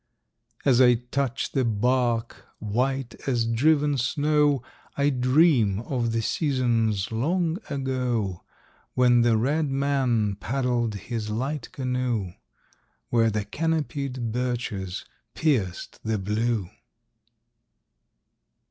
As I touch the bark, white as driven snow, I dream of the seasons long ago, When the Red Man paddled his light canoe Where the canopied birches pierced the blue!